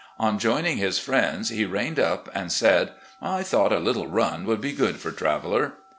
On joining his friends he reined up and said: " I thought a little run would be good for Traveller."